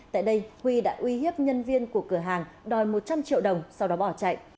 tại đây huy đã uy hiếp nhân viên của cửa hàng đòi một trăm linh triệu đồng sau đó bỏ chạy